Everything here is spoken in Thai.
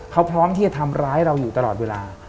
เขาพร้อมที่จะทำร้ายเราอยู่ตลอดเวลา